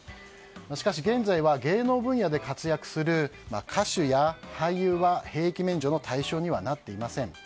しかし、現在は芸能分野で活動する歌手や俳優は兵役免除の対象にはなっていません。